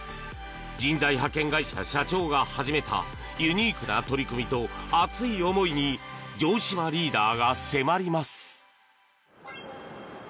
人材派遣会社社長が始めたユニークな取り組みと熱い思いに城島リーダーが迫ります。